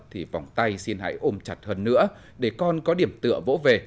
thì vòng tay xin hãy ôm chặt hơn nữa để con có điểm tựa vỗ về